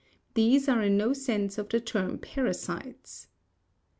These are in no sense of the term parasites.